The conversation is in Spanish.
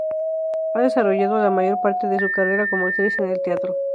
Ha desarrollado la mayor parte de su carrera como actriz en el teatro.